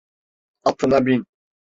Atına bin.